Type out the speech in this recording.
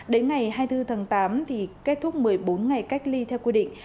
đến ngày hai mươi bốn tháng tám thì kết thúc một mươi bốn ngày cách ly theo quy định